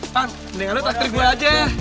tad mendingan lo traktir gue aja